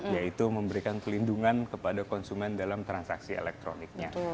yaitu memberikan pelindungan kepada konsumen dalam transaksi elektroniknya